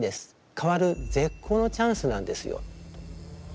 変わる絶好のチャンスなんですよ」と。